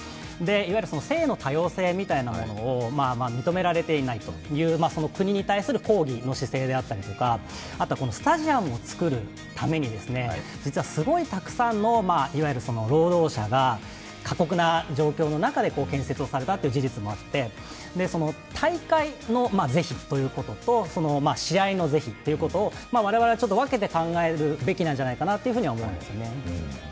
いわゆる性の多様性みたいなものを認められていないという国に対する抗議の姿勢であったりとか、スタジアムを造るために実はすごいたくさんの、いわゆる労働者が過酷な状況の中で建設をされたという事実もあって大会の是非ということと、試合の是非ということを我々は分けて考えるべきなんじゃないかなと思うんですね。